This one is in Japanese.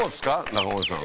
中越さん